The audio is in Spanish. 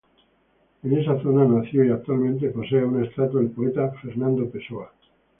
En esta zona nació, y actualmente posee una estatua, el poeta Fernando Pessoa.